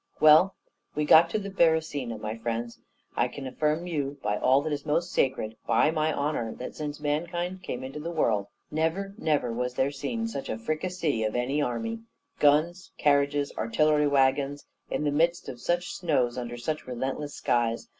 "Well, we got to the Beresina, My friends, I can affirm to you by all that is most sacred, by my honour, that since mankind came into the world, never, never was there seen such a fricassee of any army guns, carriages, artillery waggons in the midst of such snows, under such relentless skies!